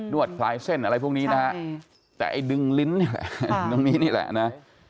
นวดพลายเส้นอะไรพวกนี้นะแต่ไอ้ดึงลิ้นนี่แหละ